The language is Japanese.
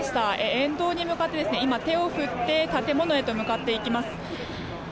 沿道に向かって手を振って建物へと向かっていきます。